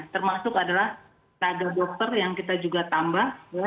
termasuk adalah tenaga dokter yang kita juga tambah ya